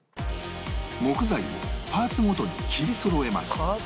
木材をパーツごとに切りそろえますパーツ？